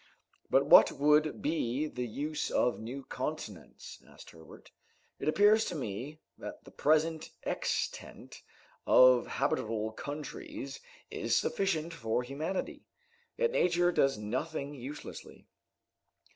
"But what would be the use of new continents?" asked Herbert. "It appears to me that the present extent of habitable countries is sufficient for humanity. Yet nature does nothing uselessly."